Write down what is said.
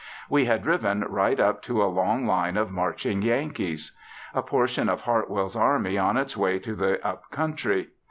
We had driven right up to a long line of marching Yankees. A portion of Hartwell's army on its way to the up country.